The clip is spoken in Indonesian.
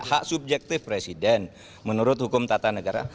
hak subjektif presiden menurut hukum tata negara